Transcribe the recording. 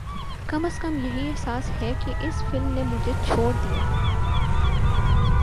کم از کم یہی احساس ہے کہ اس فلم نے مجھے چھوڑ دیا ہے